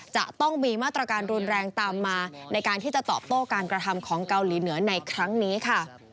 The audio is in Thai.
จะต้องมีมาตรการรุนแรงตามมาในการที่จะตอบโต้การกระทำของเกาหลีเหนือในครั้งนี้ค่ะ